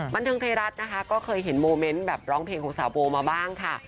บันเทิงไทยรัฐนะคะก็เคยเห็นโมเมนต์แบบร้องเพลงของสาวโบมาบ้างค่ะ